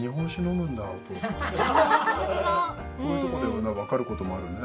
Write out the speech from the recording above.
ホントだこういうとこでもわかることもあるね